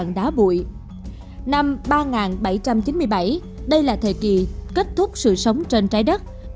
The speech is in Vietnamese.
năm ba nghìn bảy trăm chín mươi bảy đây là thời kỳ kết thúc sự sống trên trái đất